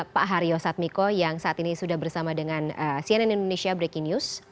pak haryo satmiko yang saat ini sudah bersama dengan cnn indonesia breaking news